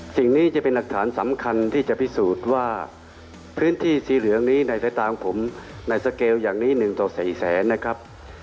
สิ่งนี้จะเป็นหลักฐานสำคัญที่จะพิสูจน์ว่าพื้นที่สีเหลืองนี้ในสายตาของผมในสเกลอย่างนี้๑ต่อ๔แสนนะครับ